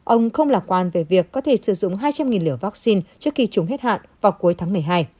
ông không lạc quan về việc có thể sử dụng hai trăm linh liều vaccine trước khi chúng hết hạn vào cuối tháng một mươi hai